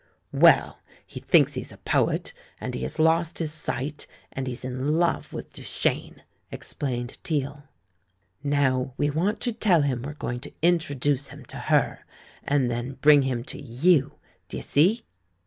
"Well, he thinks he's a poet, and he has lost his sight, and he's in love with Duchene," ex plained Teale. "Now, we want to tell him we're going to introduce him to her, and then bring him to you — d'ye see?